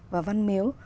và văn miếu